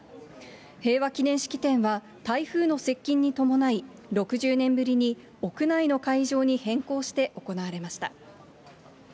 平和祈念式典は台風の接近に伴い、６０年ぶりに屋内の会場に変更して行われました。